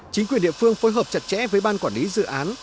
chính quyền địa phương phối hợp chặt chẽ với ban quản lý dự án